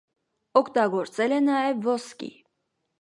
Օգտագործել է նաև ոսկի։